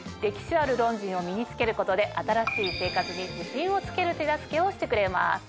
歴史あるロンジンを身に着けることで新しい生活に自信をつける手助けをしてくれます。